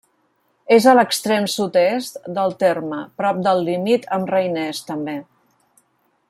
És a l'extrem sud-est del terme, prop del límit amb Reiners, també.